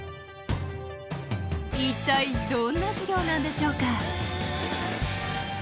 一体どんな授業なんでしょうか。